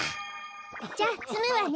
じゃあつむわね。